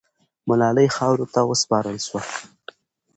ملالۍ خاورو ته وسپارل سوه.